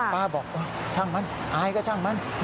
ป้าบอกช่างมันอายก็ช่างมัน